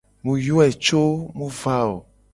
Mu yoe co mu va o.